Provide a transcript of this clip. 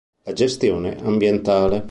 La gestione ambientale.